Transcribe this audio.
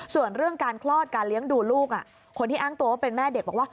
ส่วนเรื่องการคลอดการเลี้ยงดูลูกคนที่อ้างตัวว่าเป็นแม่เด็กบอกว่า